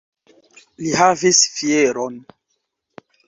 Li havis fieron!